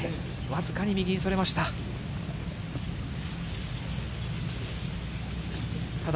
僅かに右にそれました。